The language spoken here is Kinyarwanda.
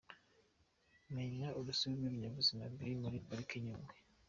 Menya urusobe rw’ibinyabuzima biri muri Pariki ya Nyungwe